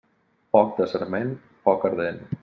Foc de sarment, foc ardent.